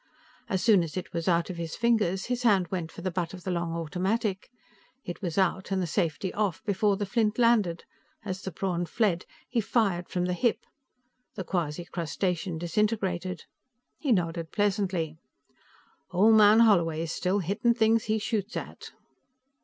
As soon as it was out of his fingers, his hand went for the butt of the long automatic. It was out and the safety off before the flint landed; as the prawn fled, he fired from the hip. The quasi crustacean disintegrated. He nodded pleasantly. "Ol' man Holloway's still hitting things he shoots at."